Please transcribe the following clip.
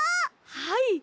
はい。